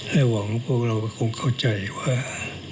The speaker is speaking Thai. และหวังพวกเราคงเข้าใจว่า